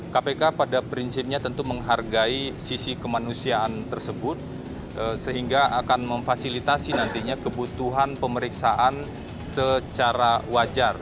kpk pada prinsipnya tentu menghargai sisi kemanusiaan tersebut sehingga akan memfasilitasi nantinya kebutuhan pemeriksaan secara wajar